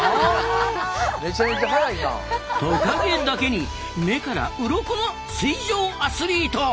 トカゲだけに目からウロコの水上アスリート！